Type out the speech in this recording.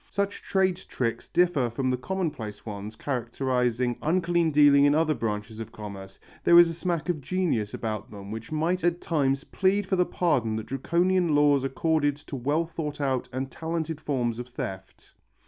Such trade tricks differ from the commonplace ones characterizing unclean dealing in other branches of commerce; there is a smack of genius about them which might at times plead for the pardon that Draconian laws accorded to well thought out and talented forms of theft.